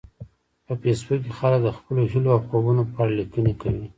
په فېسبوک کې خلک د خپلو هیلو او خوبونو په اړه لیکنې کوي